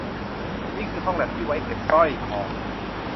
นี่คือห้องแลปที่ไว้เก็บสร้อยคอ